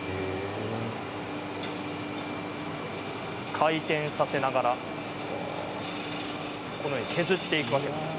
回転させながら削っていくわけです。